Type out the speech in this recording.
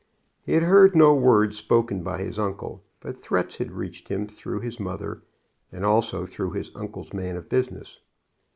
He had heard no words spoken by his uncle, but threats had reached him through his mother, and also through his uncle's man of business.